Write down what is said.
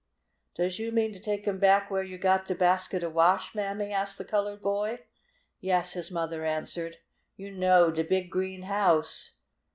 "Does you mean to take him back where you got de basket of wash, Mammy?" asked the colored boy. "Yes," his mother answered. "You know de big green house.